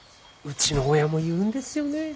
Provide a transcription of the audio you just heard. うちの親も言うんですよねぇ。